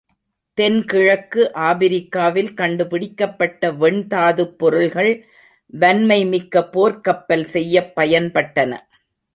தென்கிழக்கு ஆப்பிரிக்காவில் கண்டுபிடிக்கப்பட்ட வெண்தாதுப் பொருள்கள், வன்மை மிக்க போர்க்கப்பல் செய்யப்பயன்பட்டன.